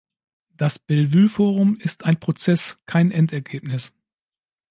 Das Bellevue Forum ist ein Prozess, kein Endergebnis.